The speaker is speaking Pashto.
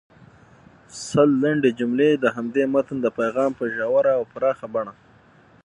سل لنډې جملې د همدې متن د پیغام په ژوره او پراخه بڼه